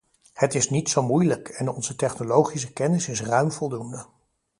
Het is niet zo moeilijk, en onze technologische kennis is ruim voldoende.